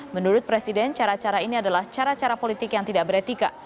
menurut presiden cara cara ini adalah cara cara politik yang tidak beretika